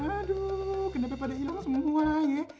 waduh kenapa pada hilang semua ya